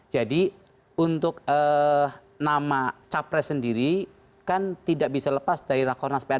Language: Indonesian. jadi untuk nama cawapres sendiri kan tidak bisa lepas dari rakhonas pa dua ratus dua